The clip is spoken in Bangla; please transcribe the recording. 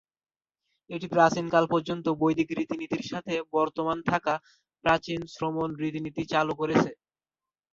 এটি প্রাচীন কাল পর্যন্ত বৈদিক রীতিনীতির সাথে বর্তমান থাকা প্রাচীন শ্রমণ রীতিনীতি চালু করেছে।